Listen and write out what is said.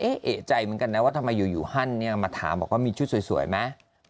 เอกใจเหมือนกันนะว่าทำไมอยู่ฮั่นเนี่ยมาถามบอกว่ามีชุดสวยไหม